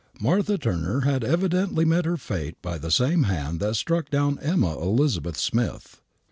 Martha Turner had evidently met her fate by the same hand that struck down Emma Elizabeth Smith.